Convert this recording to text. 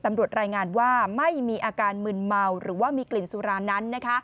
ตำรวจรายงานว่าไม่มีอาการมึนเมาหรือว่ามีกลิ่นสุรานั้น